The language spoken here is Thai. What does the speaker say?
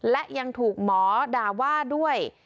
และยังถูกหมอด่าว่าด้วย